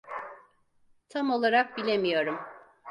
Tam olarak bilemiyorum.